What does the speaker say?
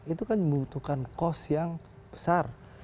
itu kan membutuhkan kos yang besar